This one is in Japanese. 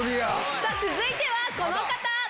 続いてはこの方。